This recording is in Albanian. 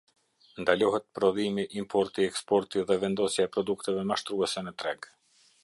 Ndalohet prodhimi, importi, eksporti dhe vendosja e produkteve mashtruese në treg.